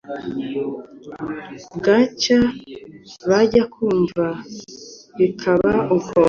Bwacya bajya kumva bikaba uko